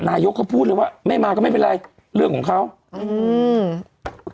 นายกเขาพูดเลยว่าไม่มาก็ไม่เป็นไรเรื่องของเขาอืม